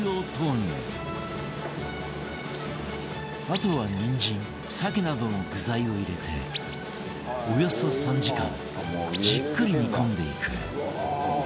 あとはにんじん鮭などの具材を入れておよそ３時間じっくり煮込んでいく